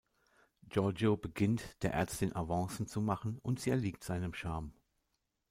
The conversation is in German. Giorgio beginnt, der Ärztin Avancen zu machen und sie erliegt seinem Charme.